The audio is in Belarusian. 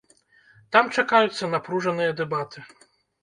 Там чакаюцца напружаныя дэбаты.